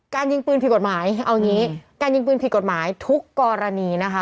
ยิงปืนผิดกฎหมายเอางี้การยิงปืนผิดกฎหมายทุกกรณีนะคะ